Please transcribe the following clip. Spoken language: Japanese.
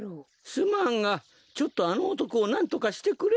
すまんがちょっとあのおとこをなんとかしてくれんか？